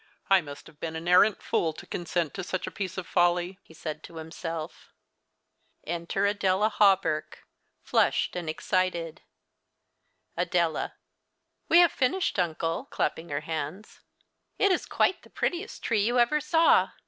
" I must have been an arrant fool to consent to such a piece of folly," he said to himself. Enter Adela Hawberk, flushed and excited. Adela. AVe have finished, uncle (clapping her hands). It is quite the prettiest tree you ever saw.